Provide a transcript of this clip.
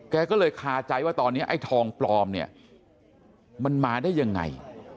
แกก็เลยคาใจว่าตอนนี้ไอ้ทองปลอมเนี่ยมันมาได้ยังไง